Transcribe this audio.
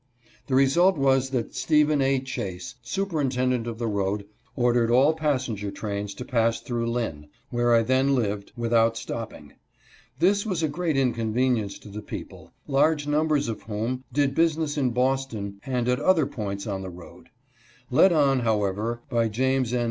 The result was that Stephen A. Chase, superintendent of the road, ordered all passenger trains to pass through Lynn, where I then lived, without stopping. This was a great incon venience to the people, large numbers of whom did busi ness in Boston and at other points on the road. Led on, however, by James N.